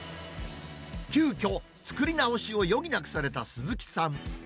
急きょ、作り直しを余儀なくされた鈴木さん。